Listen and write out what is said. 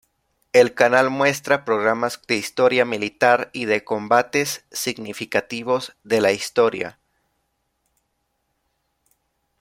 El canal muestra programas de historia militar y de combates significativos de la historia.